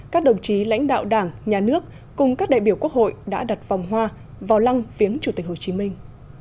các đồng chí lãnh đạo đảng nhà nước cùng các đại biểu quốc hội đã đặt vòng hoa vào lăng viếng chủ tịch hồ chí minh